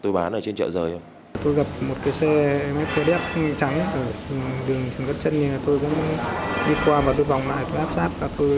tôi gặp một cái xe xe đép trắng ở đường trần văn trân tôi cũng đi qua và tôi vòng lại tôi áp sát